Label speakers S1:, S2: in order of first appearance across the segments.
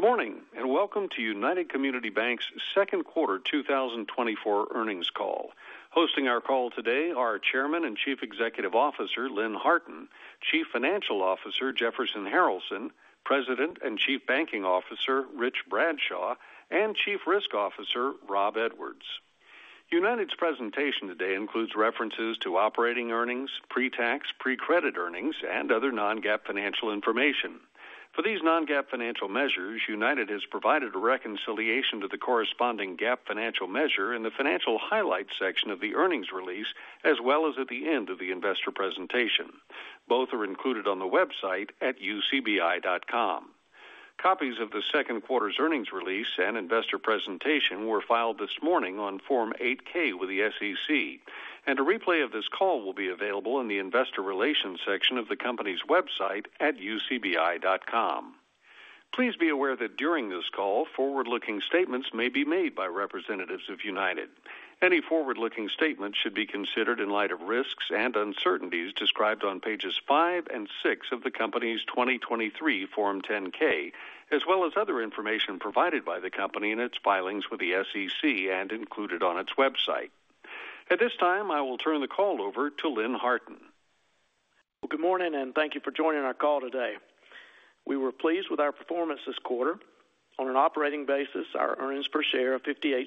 S1: Good morning and welcome to United Community Banks' Second Quarter 2024 Earnings Call. Hosting our call today are Chairman and Chief Executive Officer Lynn Harton, Chief Financial Officer Jefferson Harralson, President and Chief Banking Officer Rich Bradshaw, and Chief Risk Officer Rob Edwards. United's presentation today includes references to operating earnings, pre-tax, pre-credit earnings, and other non-GAAP financial information. For these non-GAAP financial measures, United has provided a reconciliation to the corresponding GAAP financial measure in the financial highlights section of the earnings release, as well as at the end of the investor presentation. Both are included on the website at ucbi.com. Copies of the second quarter's earnings release and investor presentation were filed this morning on Form 8-K with the SEC, and a replay of this call will be available in the investor relations section of the company's website at ucbi.com. Please be aware that during this call, forward-looking statements may be made by representatives of United. Any forward-looking statements should be considered in light of risks and uncertainties described on pages five and six of the company's 2023 Form 10-K, as well as other information provided by the company in its filings with the SEC and included on its website. At this time, I will turn the call over to Lynn Harton.
S2: Good morning and thank you for joining our call today. We were pleased with our performance this quarter. On an operating basis, our earnings per share of $0.58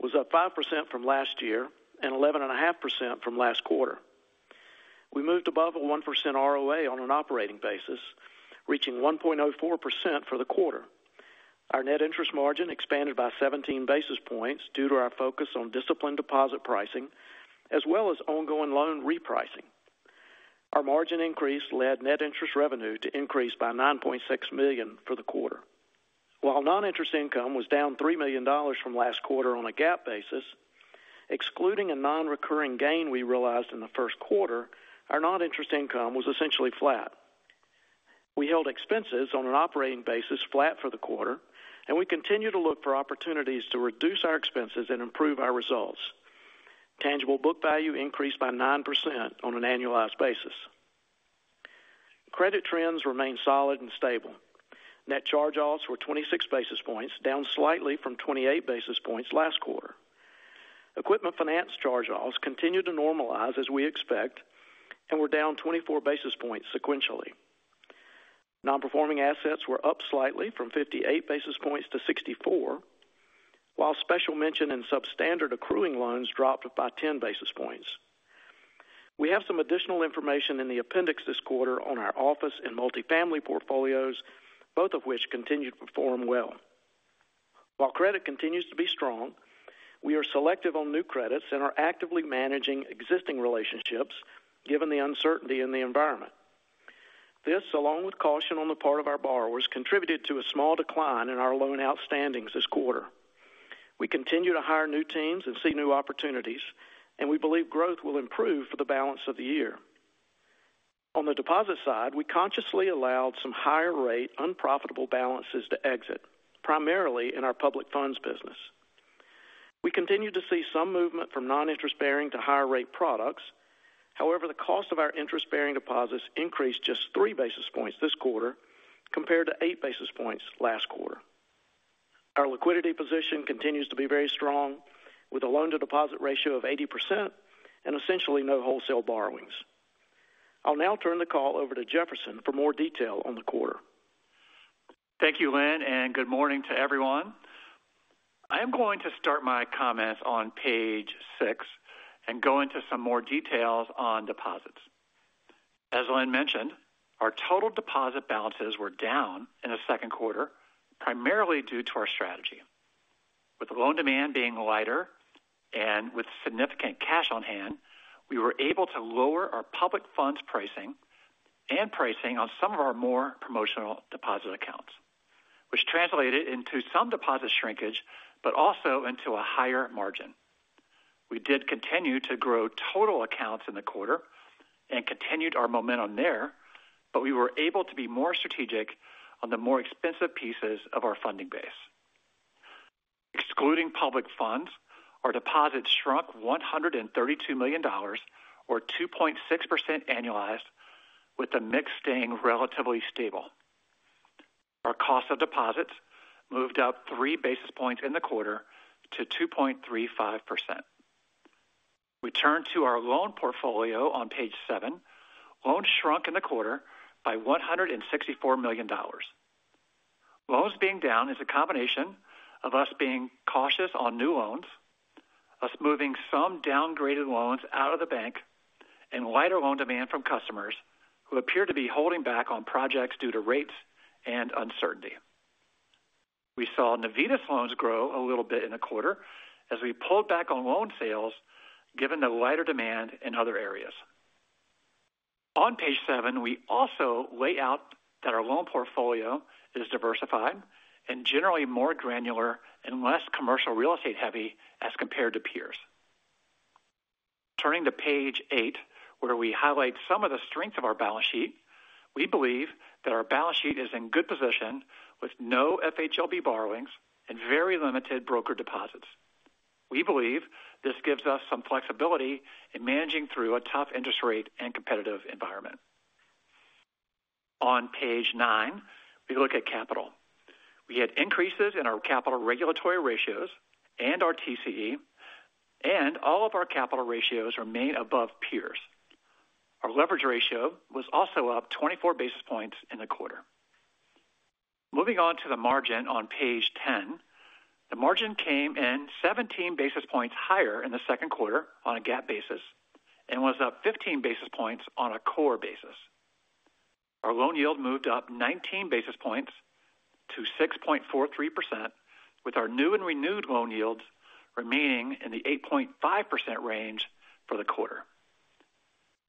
S2: was up 5% from last year and 11.5% from last quarter. We moved above a 1% ROA on an operating basis, reaching 1.04% for the quarter. Our net interest margin expanded by 17 basis points due to our focus on disciplined deposit pricing, as well as ongoing loan repricing. Our margin increase led net interest revenue to increase by $9.6 million for the quarter. While non-interest income was down $3 million from last quarter on a GAAP basis, excluding a non-recurring gain we realized in the first quarter, our non-interest income was essentially flat. We held expenses on an operating basis flat for the quarter, and we continue to look for opportunities to reduce our expenses and improve our results. Tangible Book Value increased by 9% on an annualized basis. Credit trends remained solid and stable. Net charge-offs were 26 basis points, down slightly from 28 basis points last quarter. Equipment finance charge-offs continued to normalize as we expect and were down 24 basis points sequentially. Non-Performing Assets were up slightly from 58 basis points to 64, while Special Mention and Substandard Accruing Loans dropped by 10 basis points. We have some additional information in the appendix this quarter on our office and multifamily portfolios, both of which continue to perform well. While credit continues to be strong, we are selective on new credits and are actively managing existing relationships given the uncertainty in the environment. This, along with caution on the part of our borrowers, contributed to a small decline in our loan outstandings this quarter. We continue to hire new teams and see new opportunities, and we believe growth will improve for the balance of the year. On the deposit side, we consciously allowed some higher-rate unprofitable balances to exit, primarily in our public funds business. We continue to see some movement from non-interest-bearing to higher-rate products. However, the cost of our interest-bearing deposits increased just 3 basis points this quarter compared to 8 basis points last quarter. Our liquidity position continues to be very strong, with a loan-to-deposit ratio of 80% and essentially no wholesale borrowings. I'll now turn the call over to Jefferson for more detail on the quarter.
S3: Thank you, Lynn, and good morning to everyone. I am going to start my comments on Page six and go into some more details on deposits. As Lynn mentioned, our total deposit balances were down in the second quarter, primarily due to our strategy. With loan demand being lighter and with significant cash on hand, we were able to lower our public funds pricing and pricing on some of our more promotional deposit accounts, which translated into some deposit shrinkage, but also into a higher margin. We did continue to grow total accounts in the quarter and continued our momentum there, but we were able to be more strategic on the more expensive pieces of our funding base. Excluding public funds, our deposits shrunk $132 million, or 2.6% annualized, with the mix staying relatively stable. Our cost of deposits moved up 3 basis points in the quarter to 2.35%. We turn to our loan portfolio on Page seven. Loans shrunk in the quarter by $164 million. Loans being down is a combination of us being cautious on new loans, us moving some downgraded loans out of the bank, and lighter loan demand from customers who appear to be holding back on projects due to rates and uncertainty. We saw Navitas loans grow a little bit in the quarter as we pulled back on loan sales, given the lighter demand in other areas. On Page seven, we also lay out that our loan portfolio is diversified and generally more granular and less commercial real estate-heavy as compared to peers. Turning to Page eight, where we highlight some of the strengths of our balance sheet, we believe that our balance sheet is in good position with no FHLB borrowings and very limited broker deposits. We believe this gives us some flexibility in managing through a tough interest rate and competitive environment. On Page nine, we look at capital. We had increases in our capital regulatory ratios and our TCE, and all of our capital ratios remain above peers. Our leverage ratio was also up 24 basis points in the quarter. Moving on to the margin on Page 10, the margin came in 17 basis points higher in the second quarter on a GAAP basis and was up 15 basis points on a core basis. Our loan yield moved up 19 basis points to 6.43%, with our new and renewed loan yields remaining in the 8.5% range for the quarter.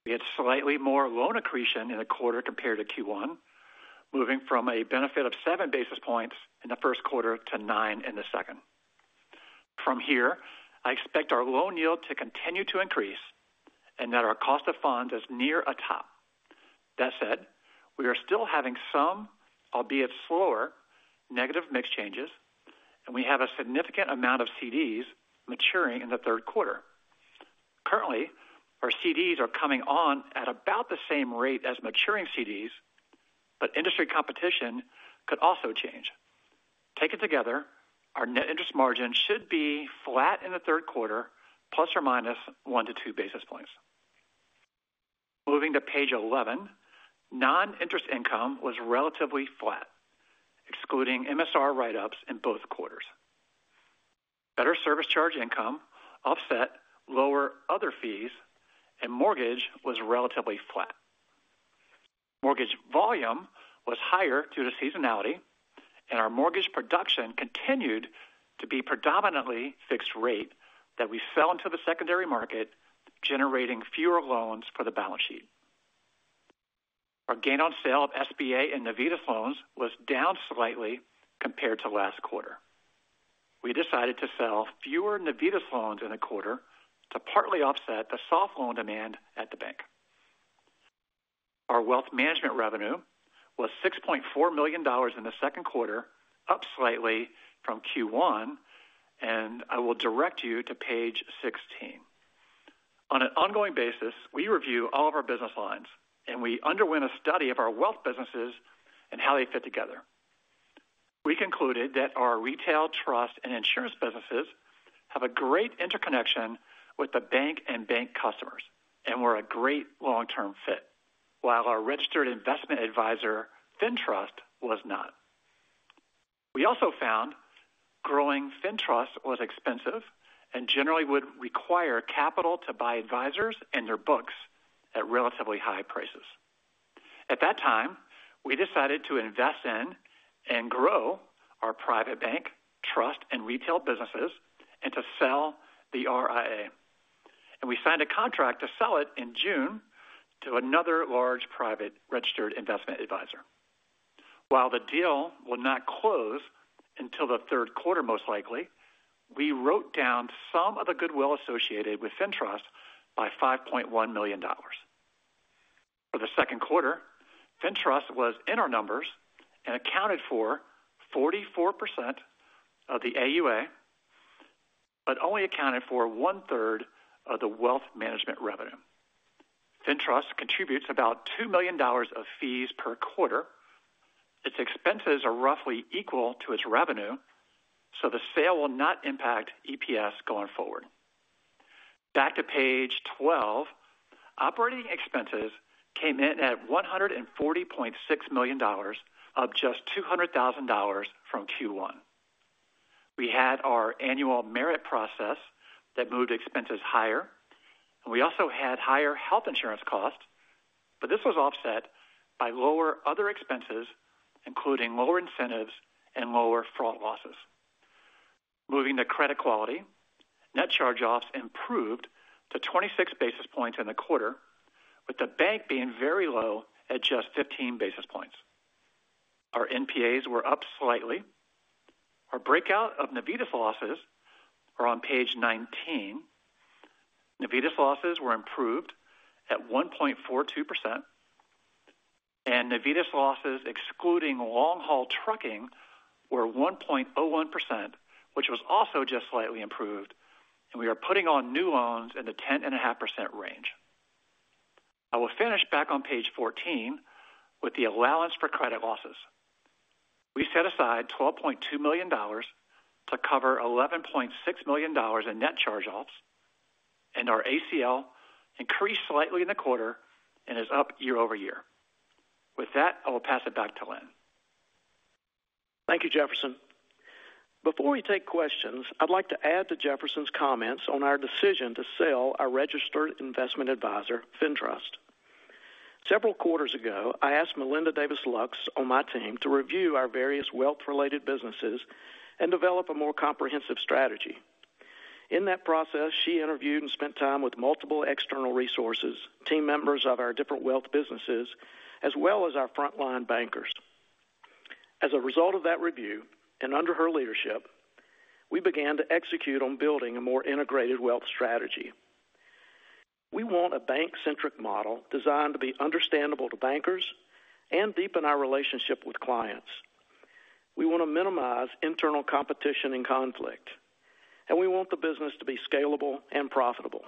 S3: We had slightly more loan accretion in the quarter compared to Q1, moving from a benefit of 7 basis points in the first quarter to nine in the second. From here, I expect our loan yield to continue to increase and that our cost of funds is near a top. That said, we are still having some, albeit slower, negative mix changes, and we have a significant amount of CDs maturing in the third quarter. Currently, our CDs are coming on at about the same rate as maturing CDs, but industry competition could also change. Taken together, our net interest margin should be flat in the third quarter, ±1-2 basis points. Moving to Page 11, non-interest income was relatively flat, excluding MSR write-ups in both quarters. Better service charge income offset lower other fees, and mortgage was relatively flat. Mortgage volume was higher due to seasonality, and our mortgage production continued to be predominantly fixed rate that we sell into the secondary market, generating fewer loans for the balance sheet. Our gain on sale of SBA and Navitas loans was down slightly compared to last quarter. We decided to sell fewer Navitas loans in the quarter to partly offset the soft loan demand at the bank. Our wealth management revenue was $6.4 million in the second quarter, up slightly from Q1, and I will direct you to Page 16. On an ongoing basis, we review all of our business lines, and we underwent a study of our wealth businesses and how they fit together. We concluded that our retail, trust, and insurance businesses have a great interconnection with the bank and bank customers and were a great long-term fit, while our registered investment advisor, FinTrust, was not. We also found growing FinTrust was expensive and generally would require capital to buy advisors and their books at relatively high prices. At that time, we decided to invest in and grow our private bank, trust, and retail businesses and to sell the RIA. We signed a contract to sell it in June to another large private registered investment advisor. While the deal will not close until the third quarter, most likely, we wrote down some of the goodwill associated with FinTrust by $5.1 million. For the second quarter, FinTrust was in our numbers and accounted for 44% of the AUA, but only accounted for one-third of the wealth management revenue. FinTrust contributes about $2 million of fees per quarter. Its expenses are roughly equal to its revenue, so the sale will not impact EPS going forward. Back to Page 12, operating expenses came in at $140.6 million, up just $200,000 from Q1. We had our annual merit process that moved expenses higher, and we also had higher health insurance costs, but this was offset by lower other expenses, including lower incentives and lower fraud losses. Moving to credit quality, net charge-offs improved to 26 basis points in the quarter, with the bank being very low at just 15 basis points. Our NPAs were up slightly. Our breakout of Navitas losses is on Page 19. Navitas losses were improved at 1.42%, and Navitas losses, excluding long-haul trucking, were 1.01%, which was also just slightly improved, and we are putting on new loans in the 10.5% range. I will finish back on Page 14 with the allowance for credit losses. We set aside $12.2 million to cover $11.6 million in net charge-offs, and our ACL increased slightly in the quarter and is up year-over-year. With that, I will pass it back to Lynn.
S2: Thank you, Jefferson. Before we take questions, I'd like to add to Jefferson's comments on our decision to sell our registered investment advisor, FinTrust. Several quarters ago, I asked Melinda Davis Lux on my team to review our various wealth-related businesses and develop a more comprehensive strategy. In that process, she interviewed and spent time with multiple external resources, team members of our different wealth businesses, as well as our frontline bankers. As a result of that review and under her leadership, we began to execute on building a more integrated wealth strategy. We want a bank-centric model designed to be understandable to bankers and deepen our relationship with clients. We want to minimize internal competition and conflict, and we want the business to be scalable and profitable.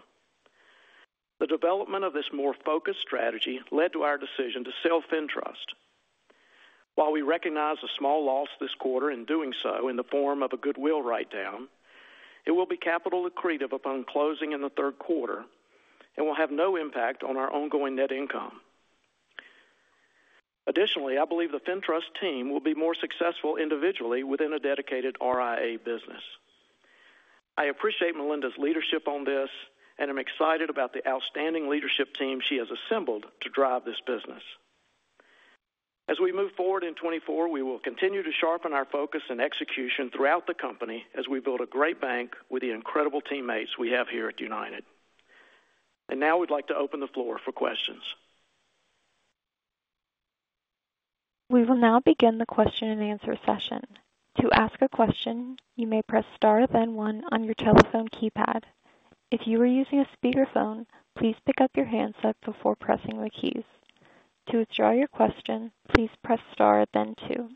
S2: The development of this more focused strategy led to our decision to sell FinTrust. While we recognize a small loss this quarter in doing so in the form of a goodwill write-down, it will be capital accretive upon closing in the third quarter and will have no impact on our ongoing net income. Additionally, I believe the FinTrust team will be more successful individually within a dedicated RIA business. I appreciate Melinda's leadership on this and am excited about the outstanding leadership team she has assembled to drive this business. As we move forward in 2024, we will continue to sharpen our focus and execution throughout the company as we build a great bank with the incredible teammates we have here at United. And now we'd like to open the floor for questions.
S1: We will now begin the question and answer session. To ask a question, you may press star then one on your telephone keypad. If you are using a speakerphone, please pick up your handset before pressing the keys. To withdraw your question, please press star then two.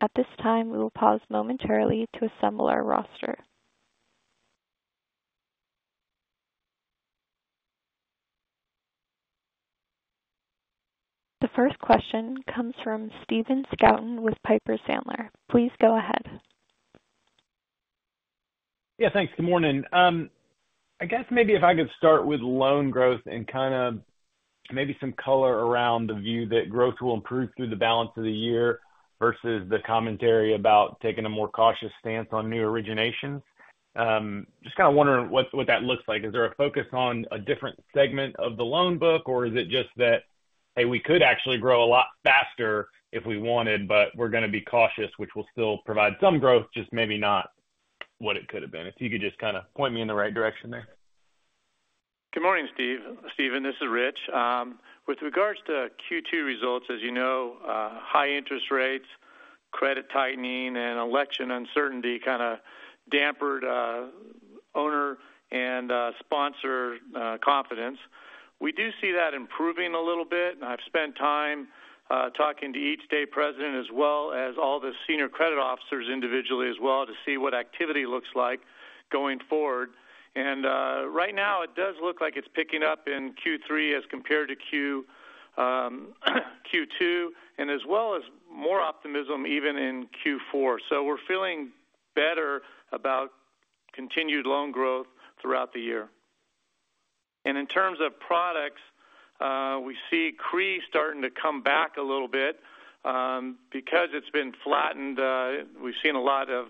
S1: At this time, we will pause momentarily to assemble our roster. The first question comes from Stephen Scouten with Piper Sandler. Please go ahead.
S4: Yeah, thanks. Good morning. I guess maybe if I could start with loan growth and kind of maybe some color around the view that growth will improve through the balance of the year versus the commentary about taking a more cautious stance on new originations. Just kind of wondering what that looks like. Is there a focus on a different segment of the loan book, or is it just that, hey, we could actually grow a lot faster if we wanted, but we're going to be cautious, which will still provide some growth, just maybe not what it could have been? If you could just kind of point me in the right direction there.
S5: Good morning, Steve. Stephen, this is Rich. With regards to Q2 results, as you know, high interest rates, credit tightening, and election uncertainty kind of dampened owner and sponsor confidence. We do see that improving a little bit. I've spent time talking to each state president, as well as all the senior credit officers individually, as well, to see what activity looks like going forward. Right now, it does look like it's picking up in Q3 as compared to Q2, and as well as more optimism even in Q4. So we're feeling better about continued loan growth throughout the year. In terms of products, we see CRE starting to come back a little bit. Because it's been flattened, we've seen a lot of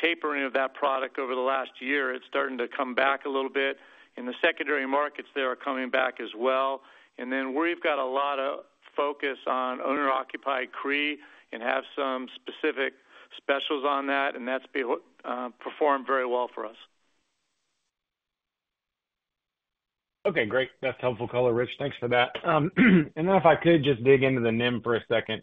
S5: tapering of that product over the last year. It's starting to come back a little bit. In the secondary markets, they are coming back as well. Then we've got a lot of focus on owner-occupied CRE and have some specific specials on that, and that's performed very well for us.
S4: Okay, great. That's helpful color, Rich. Thanks for that. And then if I could just dig into the NIM for a second.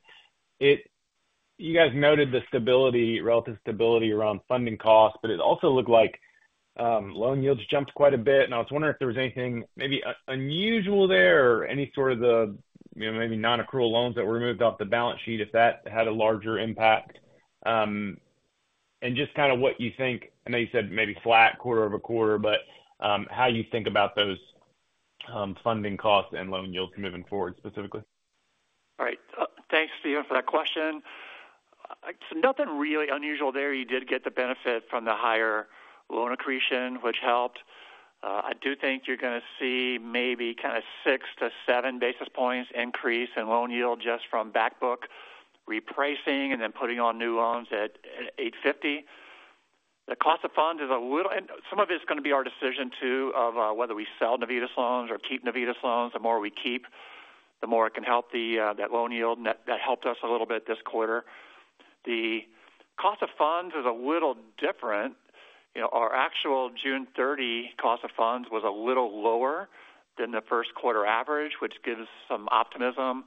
S4: You guys noted the stability, relative stability around funding costs, but it also looked like loan yields jumped quite a bit. And I was wondering if there was anything maybe unusual there or any sort of the maybe non-accrual loans that were removed off the balance sheet, if that had a larger impact. And just kind of what you think, I know you said maybe flat quarter-over-quarter, but how you think about those funding costs and loan yields moving forward specifically.
S5: All right. Thanks, Stephen, for that question. Nothing really unusual there. You did get the benefit from the higher loan accretion, which helped. I do think you're going to see maybe kind of 6-7 basis points increase in loan yield just from backbook repricing and then putting on new loans at 8.50%. The cost of funds is a little, and some of it's going to be our decision too of whether we sell Navitas loans or keep Navitas loans. The more we keep, the more it can help that loan yield. That helped us a little bit this quarter. The cost of funds is a little different. Our actual June 30 cost of funds was a little lower than the first quarter average, which gives some optimism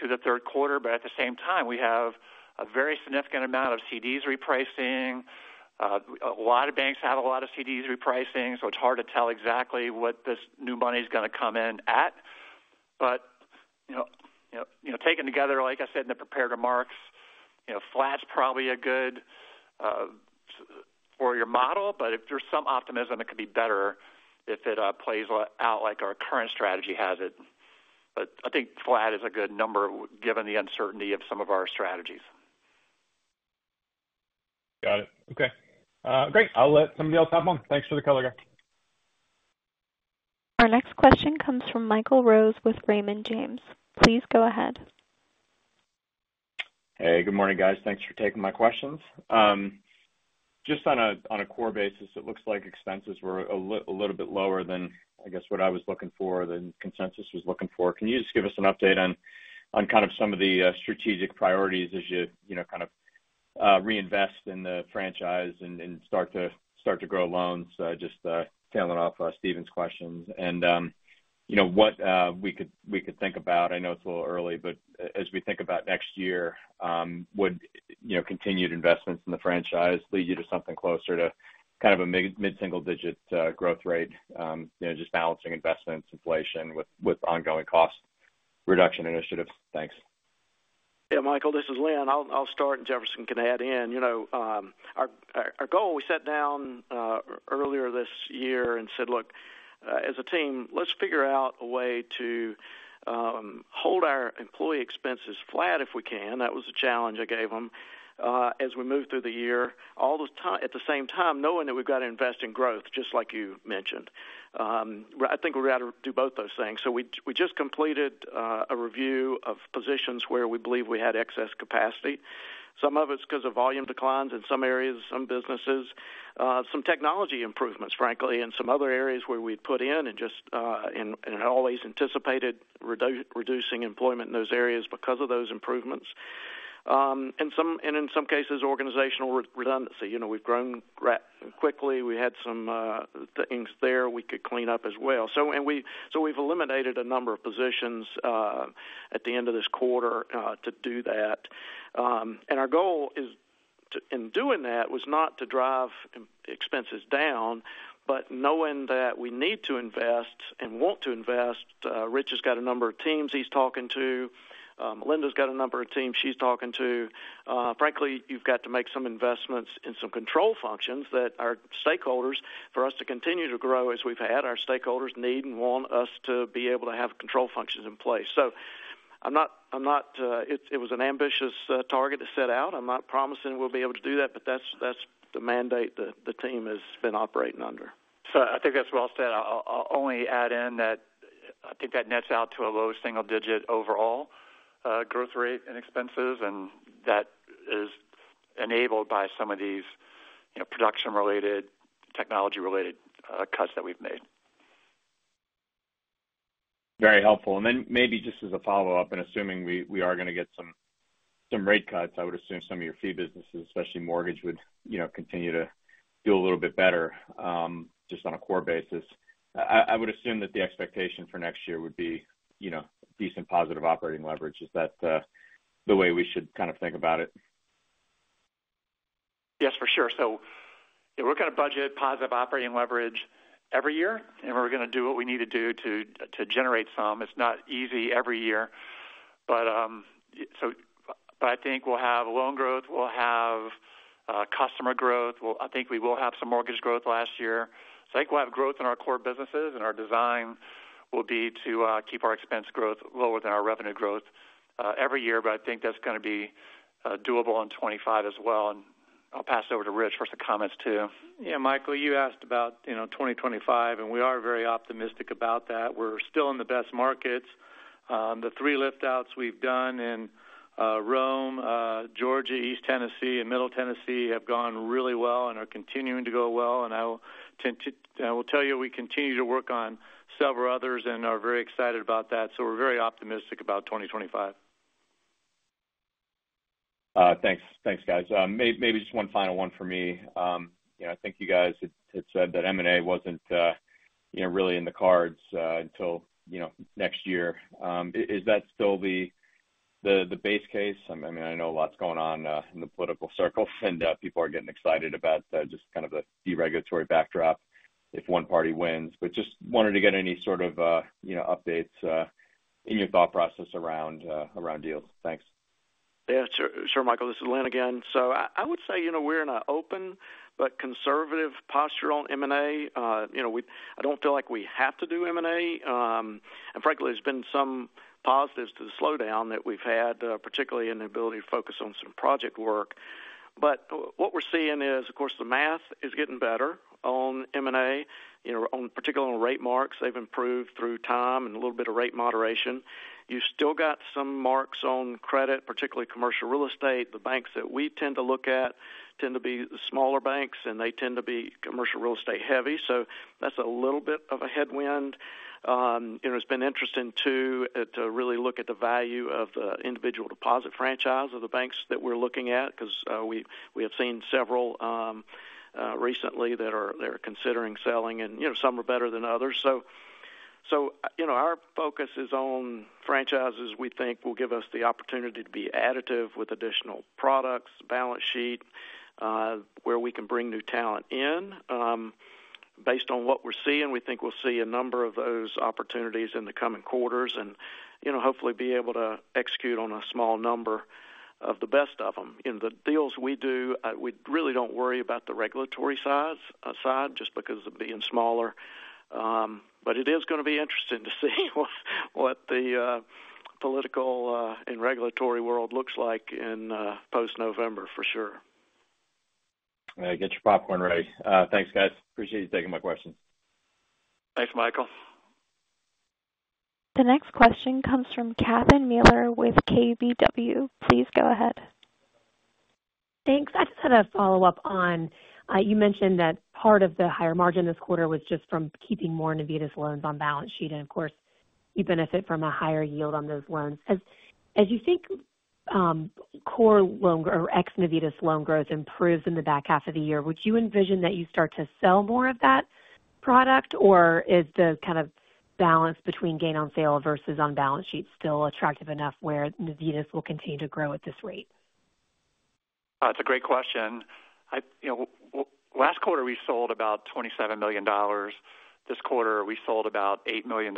S5: to the third quarter. But at the same time, we have a very significant amount of CDs repricing. A lot of banks have a lot of CDs repricing, so it's hard to tell exactly what this new money is going to come in at. But taken together, like I said in the prepared remarks, flat's probably a good for your model, but if there's some optimism, it could be better if it plays out like our current strategy has it. But I think flat is a good number given the uncertainty of some of our strategies.
S4: Got it. Okay. Great. I'll let somebody else have one. Thanks for the color, guys.
S1: Our next question comes from Michael Rose with Raymond James. Please go ahead.
S6: Hey, good morning, guys. Thanks for taking my questions. Just on a core basis, it looks like expenses were a little bit lower than, I guess, what I was looking for, than consensus was looking for. Can you just give us an update on kind of some of the strategic priorities as you kind of reinvest in the franchise and start to grow loans? Just tailing off Stephen's questions. And what we could think about, I know it's a little early, but as we think about next year, would continued investments in the franchise lead you to something closer to kind of a mid-single-digit growth rate, just balancing investments, inflation with ongoing cost reduction initiatives? Thanks.
S2: Yeah, Michael, this is Lynn. I'll start, and Jefferson can add in. Our goal, we sat down earlier this year and said, "Look, as a team, let's figure out a way to hold our employee expenses flat if we can." That was the challenge I gave them as we moved through the year. At the same time, knowing that we've got to invest in growth, just like you mentioned, I think we're going to have to do both those things. So we just completed a review of positions where we believe we had excess capacity. Some of it's because of volume declines in some areas, some businesses, some technology improvements, frankly, and some other areas where we'd put in and just always anticipated reducing employment in those areas because of those improvements. And in some cases, organizational redundancy. We've grown quickly. We had some things there we could clean up as well. So we've eliminated a number of positions at the end of this quarter to do that. And our goal in doing that was not to drive expenses down, but knowing that we need to invest and want to invest. Rich has got a number of teams he's talking to. Melinda's got a number of teams she's talking to. Frankly, you've got to make some investments in some control functions that our stakeholders, for us to continue to grow as we've had, our stakeholders need and want us to be able to have control functions in place. So it was an ambitious target to set out. I'm not promising we'll be able to do that, but that's the mandate the team has been operating under. So I think that's well said. I'll only add in that I think that nets out to a low single-digit overall growth rate in expenses, and that is enabled by some of these production-related, technology-related cuts that we've made.
S6: Very helpful. And then maybe just as a follow-up, and assuming we are going to get some rate cuts, I would assume some of your fee businesses, especially mortgage, would continue to do a little bit better just on a core basis. I would assume that the expectation for next year would be decent positive operating leverage. Is that the way we should kind of think about it?
S2: Yes, for sure. So we're going to budget positive operating leverage every year, and we're going to do what we need to do to generate some. It's not easy every year. But I think we'll have loan growth. We'll have customer growth. I think we will have some mortgage growth last year. So I think we'll have growth in our core businesses, and our design will be to keep our expense growth lower than our revenue growth every year, but I think that's going to be doable in 2025 as well. And I'll pass it over to Rich for some comments too.
S5: Yeah, Michael, you asked about 2025, and we are very optimistic about that. We're still in the best markets. The three liftouts we've done in Rome, Georgia, East Tennessee, and Middle Tennessee have gone really well and are continuing to go well. And I will tell you, we continue to work on several others and are very excited about that. So we're very optimistic about 2025.
S6: Thanks, guys. Maybe just one final one for me. I think you guys had said that M&A wasn't really in the cards until next year. Is that still the base case? I mean, I know a lot's going on in the political circles, and people are getting excited about just kind of the deregulatory backdrop if one party wins. But just wanted to get any sort of updates in your thought process around deals. Thanks.
S2: Yeah, sure, Michael. This is Lynn again. So I would say we're in an open but conservative posture on M&A. I don't feel like we have to do M&A. And frankly, there's been some positives to the slowdown that we've had, particularly in the ability to focus on some project work. But what we're seeing is, of course, the math is getting better on M&A, particularly on rate marks. They've improved through time and a little bit of rate moderation. You've still got some marks on credit, particularly commercial real estate. The banks that we tend to look at tend to be the smaller banks, and they tend to be commercial real estate heavy. So that's a little bit of a headwind. It's been interesting too to really look at the value of the individual deposit franchise of the banks that we're looking at because we have seen several recently that are considering selling, and some are better than others. So our focus is on franchises we think will give us the opportunity to be additive with additional products, balance sheet, where we can bring new talent in. Based on what we're seeing, we think we'll see a number of those opportunities in the coming quarters and hopefully be able to execute on a small number of the best of them. The deals we do, we really don't worry about the regulatory side just because of being smaller. But it is going to be interesting to see what the political and regulatory world looks like in post-November for sure.
S6: I got your popcorn ready. Thanks, guys. Appreciate you taking my questions.
S2: Thanks, Michael.
S1: The next question comes from Catherine Mealor with KBW. Please go ahead.
S7: Thanks. I just had a follow-up on you mentioned that part of the higher margin this quarter was just from keeping more Navitas loans on balance sheet, and of course, you benefit from a higher yield on those loans. As you think core loan or ex-Navitas loan growth improves in the back half of the year, would you envision that you start to sell more of that product, or is the kind of balance between gain on sale versus on balance sheet still attractive enough where Navitas will continue to grow at this rate?
S3: That's a great question. Last quarter, we sold about $27 million. This quarter, we sold about $8 million.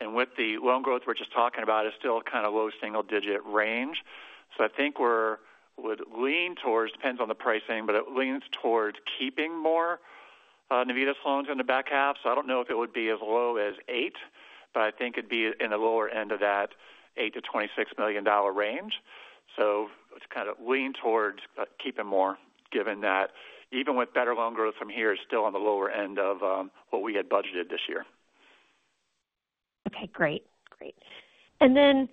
S3: And with the loan growth we're just talking about, it's still kind of low single-digit range. So I think we would lean towards, depends on the pricing, but it leans towards keeping more Navitas loans in the back half. So I don't know if it would be as low as eight, but I think it'd be in the lower end of that $8 million-$26 million range. So it's kind of leaning towards keeping more given that even with better loan growth from here, it's still on the lower end of what we had budgeted this year.
S7: Okay, great. Great. And then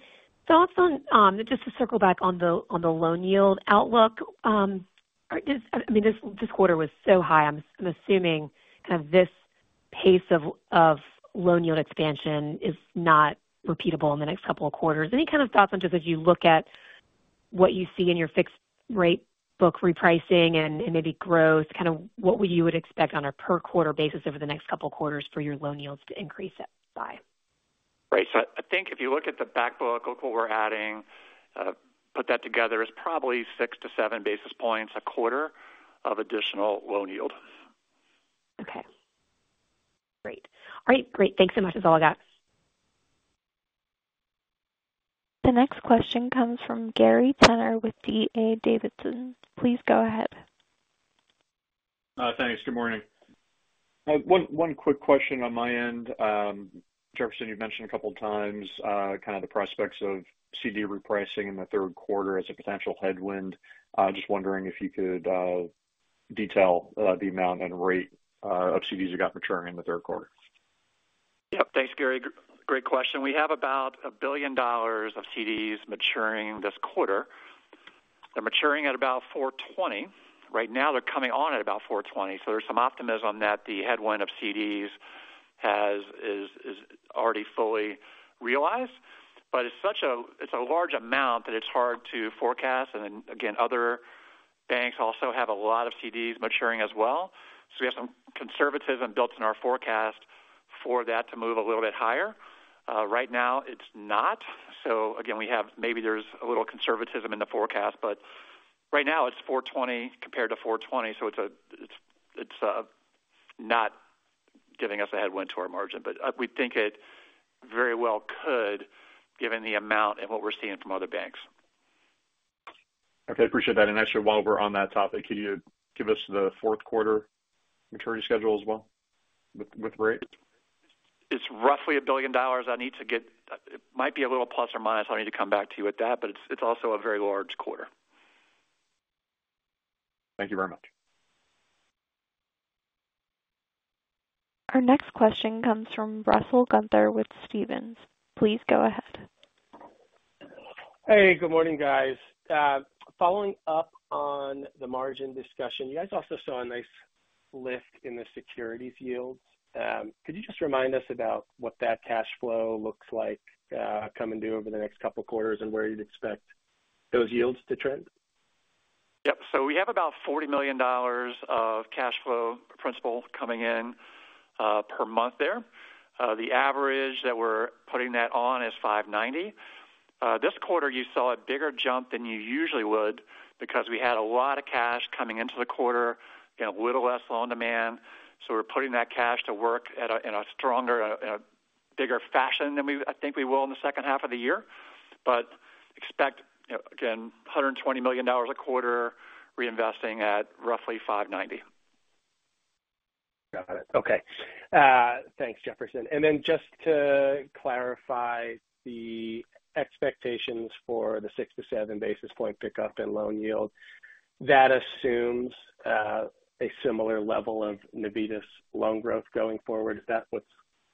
S7: thoughts on, just to circle back on the loan yield outlook, I mean, this quarter was so high. I'm assuming kind of this pace of loan yield expansion is not repeatable in the next couple of quarters. Any kind of thoughts on just as you look at what you see in your fixed rate book repricing and maybe growth, kind of what you would expect on a per quarter basis over the next couple of quarters for your loan yields to increase by?
S3: Right. So I think if you look at the backbook, look what we're adding, put that together, it's probably 6-7 basis points a quarter of additional loan yield.
S7: Okay. Great. All right. Great. Thanks so much. That's all I got.
S1: The next question comes from Gary Tenner with D.A. Davidson. Please go ahead.
S8: Thanks. Good morning. One quick question on my end. Jefferson, you've mentioned a couple of times kind of the prospects of CD repricing in the third quarter as a potential headwind. Just wondering if you could detail the amount and rate of CDs you got maturing in the third quarter?
S3: Yep. Thanks, Gary. Great question. We have about $1 billion of CDs maturing this quarter. They're maturing at about 4.20%. Right now, they're coming on at about 4.20%. So there's some optimism that the headwind of CDs has already fully realized. But it's a large amount that it's hard to forecast. And again, other banks also have a lot of CDs maturing as well. So we have some conservatism built in our forecast for that to move a little bit higher. Right now, it's not. So again, maybe there's a little conservatism in the forecast, but right now, it's 4.20% compared to 4.20%. So it's not giving us a headwind to our margin, but we think it very well could given the amount and what we're seeing from other banks.
S8: Okay. Appreciate that. Actually, while we're on that topic, can you give us the fourth quarter maturity schedule as well with rate?
S3: It's roughly $1 billion I need to get. It might be a little plus or minus. I need to come back to you with that, but it's also a very large quarter.
S8: Thank you very much.
S1: Our next question comes from Russell Gunther with Stephens. Please go ahead.
S9: Hey, good morning, guys. Following up on the margin discussion, you guys also saw a nice lift in the securities yields. Could you just remind us about what that cash flow looks like coming due over the next couple of quarters and where you'd expect those yields to trend?
S3: Yep. So we have about $40 million of cash flow principal coming in per month there. The average that we're putting that on is 5.90%. This quarter, you saw a bigger jump than you usually would because we had a lot of cash coming into the quarter, a little less loan demand. So we're putting that cash to work in a stronger, bigger fashion than I think we will in the second half of the year. But expect, again, $120 million a quarter reinvesting at roughly 5.90%.
S9: Got it. Okay. Thanks, Jefferson. And then just to clarify the expectations for the 6-7 basis point pickup in loan yield, that assumes a similar level of Navitas loan growth going forward. Is that what's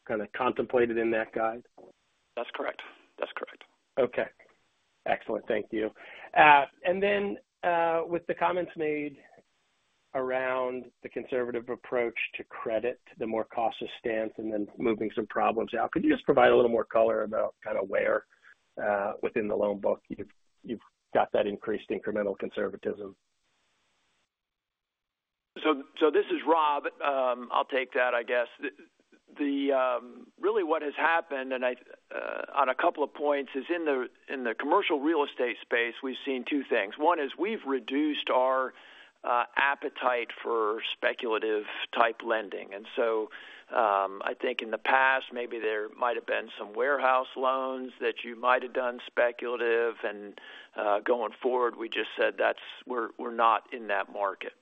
S9: kind of contemplated in that guide?
S3: That's correct. That's correct.
S9: Okay. Excellent. Thank you. And then with the comments made around the conservative approach to credit, the more cautious stance, and then moving some problems out, could you just provide a little more color about kind of where within the loan book you've got that increased incremental conservatism?
S10: This is Rob. I'll take that, I guess. Really, what has happened, and on a couple of points, is in the commercial real estate space, we've seen two things. One is we've reduced our appetite for speculative-type lending. So I think in the past, maybe there might have been some warehouse loans that you might have done speculative. Going forward, we just said we're not in that market.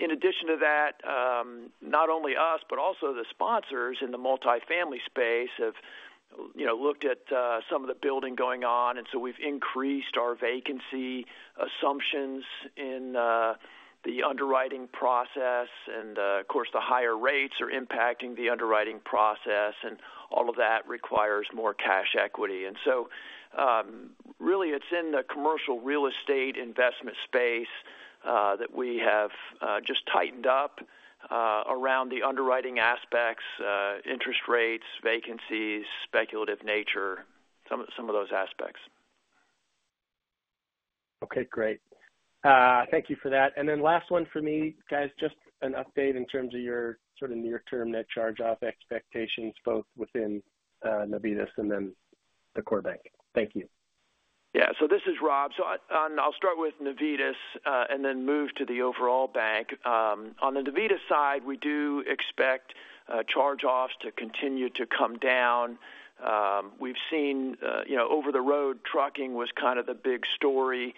S10: In addition to that, not only us, but also the sponsors in the multifamily space have looked at some of the building going on. So we've increased our vacancy assumptions in the underwriting process. Of course, the higher rates are impacting the underwriting process, and all of that requires more cash equity. Really, it's in the commercial real estate investment space that we have just tightened up around the underwriting aspects, interest rates, vacancies, speculative nature, some of those aspects.
S9: Okay. Great. Thank you for that. And then last one for me, guys, just an update in terms of your sort of near-term net charge-off expectations both within Navitas and then the core bank. Thank you.
S10: Yeah. So this is Rob. So I'll start with Navitas and then move to the overall bank. On the Navitas side, we do expect charge-offs to continue to come down. We've seen over-the-road trucking was kind of the big story,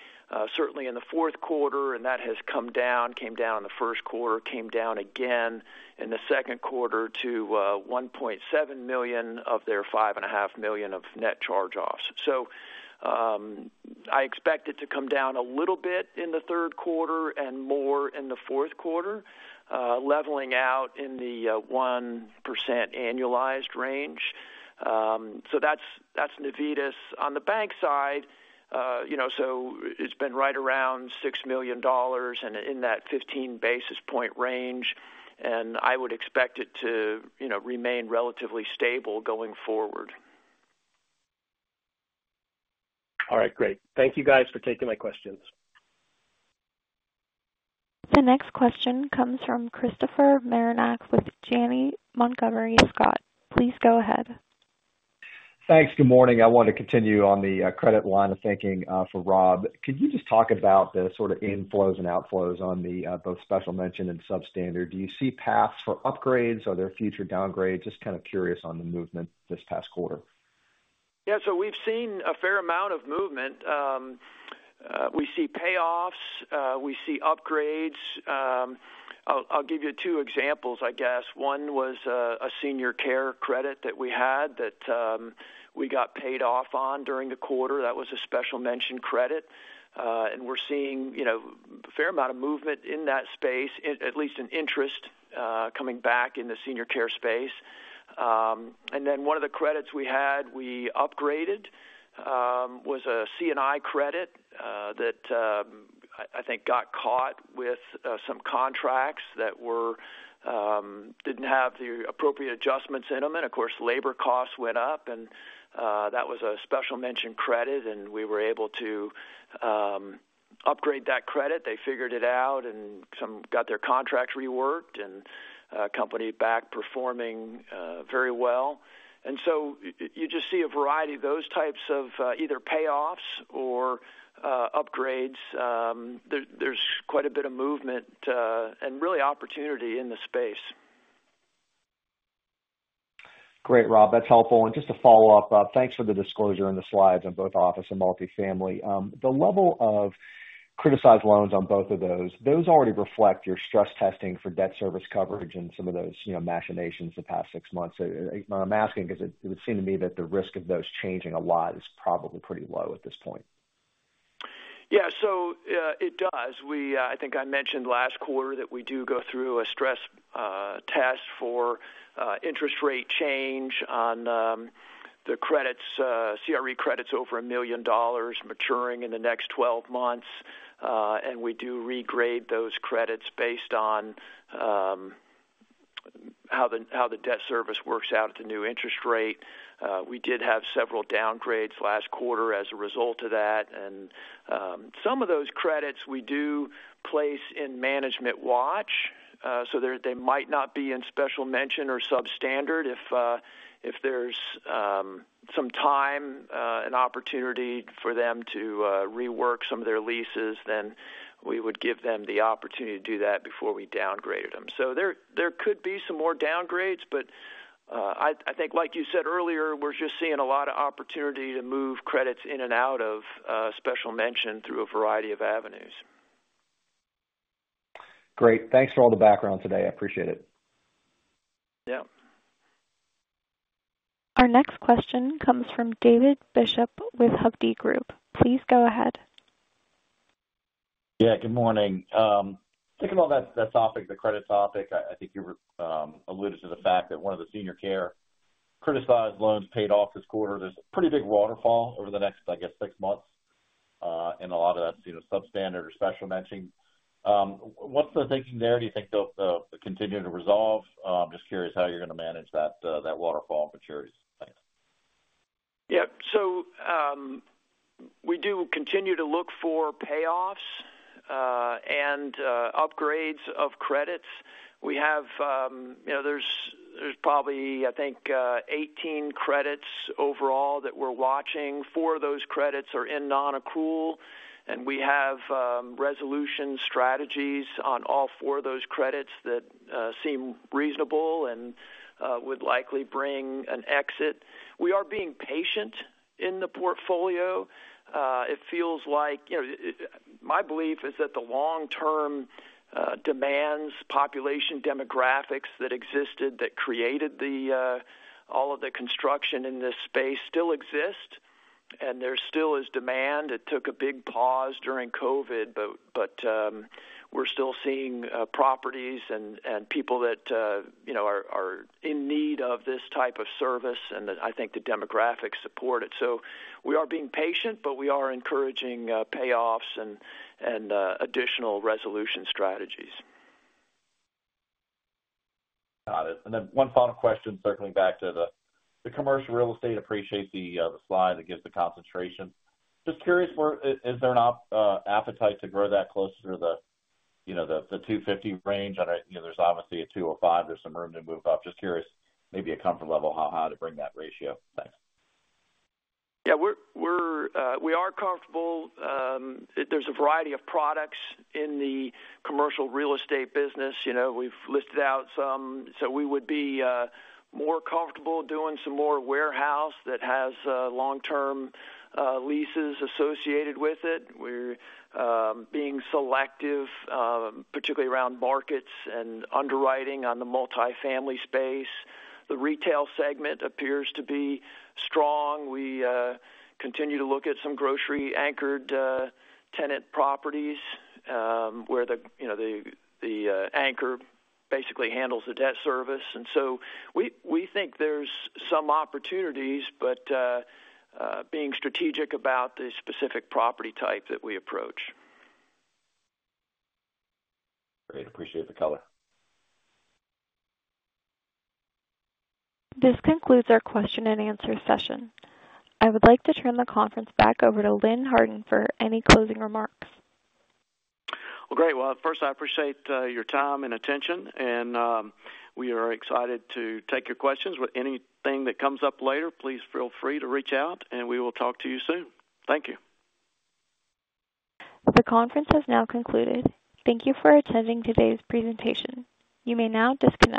S10: certainly in the fourth quarter, and that has come down, came down in the first quarter, came down again in the second quarter to $1.7 million of their $5.5 million of net charge-offs. So I expect it to come down a little bit in the third quarter and more in the fourth quarter, leveling out in the 1% annualized range. So that's Navitas. On the bank side, so it's been right around $6 million and in that 15 basis point range. And I would expect it to remain relatively stable going forward.
S9: All right. Great. Thank you, guys, for taking my questions.
S1: The next question comes from Christopher Marinac with Janney Montgomery Scott. Please go ahead.
S11: Thanks. Good morning. I want to continue on the credit line of thinking for Rob. Could you just talk about the sort of inflows and outflows on both special mention and substandard? Do you see paths for upgrades? Are there future downgrades? Just kind of curious on the movement this past quarter?
S10: Yeah. So we've seen a fair amount of movement. We see payoffs. We see upgrades. I'll give you two examples, I guess. One was a senior care credit that we had that we got paid off on during the quarter. That was a special mention credit. And we're seeing a fair amount of movement in that space, at least in interest coming back in the senior care space. And then one of the credits we had we upgraded was a C&I credit that I think got caught with some contracts that didn't have the appropriate adjustments in them. And of course, labor costs went up. And that was a special mention credit, and we were able to upgrade that credit. They figured it out and got their contracts reworked and company back performing very well. And so you just see a variety of those types of either payoffs or upgrades. There's quite a bit of movement and really opportunity in the space.
S11: Great, Rob. That's helpful. And just to follow up, thanks for the disclosure in the slides on both office and multifamily. The level of criticized loans on both of those, those already reflect your stress testing for debt service coverage and some of those machinations the past six months. I'm asking because it would seem to me that the risk of those changing a lot is probably pretty low at this point.
S10: Yeah. So it does. I think I mentioned last quarter that we do go through a stress test for interest rate change on the CRE credits over $1 million maturing in the next 12 months. And we do regrade those credits based on how the debt service works out at the new interest rate. We did have several downgrades last quarter as a result of that. And some of those credits we do place in management watch. So they might not be in special mention or substandard. If there's some time and opportunity for them to rework some of their leases, then we would give them the opportunity to do that before we downgraded them. So there could be some more downgrades, but I think, like you said earlier, we're just seeing a lot of opportunity to move credits in and out of special mention through a variety of avenues.
S11: Great. Thanks for all the background today. I appreciate it.
S3: Yeah.
S1: Our next question comes from David Bishop with Hovde Group. Please go ahead.
S12: Yeah. Good morning. Thinking about that topic, the credit topic, I think you alluded to the fact that one of the senior care criticized loans paid off this quarter. There's a pretty big waterfall over the next, I guess, six months in a lot of that substandard or Special Mention. What's the thinking there? Do you think they'll continue to resolve? I'm just curious how you're going to manage that waterfall of maturities. Thanks.
S3: Yep. So we do continue to look for payoffs and upgrades of credits. There's probably, I think, 18 credits overall that we're watching. four of those credits are in non-accrual. And we have resolution strategies on all four of those credits that seem reasonable and would likely bring an exit. We are being patient in the portfolio. It feels like my belief is that the long-term demands, population demographics that existed that created all of the construction in this space still exist, and there still is demand. It took a big pause during COVID, but we're still seeing properties and people that are in need of this type of service, and I think the demographics support it. So we are being patient, but we are encouraging payoffs and additional resolution strategies.
S12: Got it. And then one final question, circling back to the commercial real estate, appreciate the slide that gives the concentration. Just curious, is there an appetite to grow that closer to the 250 range? There's obviously a 205. There's some room to move up. Just curious, maybe a comfort level how high to bring that ratio? Thanks.
S3: Yeah. We are comfortable. There's a variety of products in the commercial real estate business. We've listed out some. So we would be more comfortable doing some more warehouse that has long-term leases associated with it. We're being selective, particularly around markets and underwriting on the multifamily space. The retail segment appears to be strong. We continue to look at some grocery-anchored tenant properties where the anchor basically handles the debt service. And so we think there's some opportunities, but being strategic about the specific property type that we approach.
S12: Great. Appreciate the color.
S1: This concludes our question and answer session. I would like to turn the conference back over to Lynn Harton for any closing remarks.
S2: Well, great. Well, first, I appreciate your time and attention. We are excited to take your questions. With anything that comes up later, please feel free to reach out, and we will talk to you soon. Thank you.
S1: The conference has now concluded. Thank you for attending today's presentation. You may now disconnect.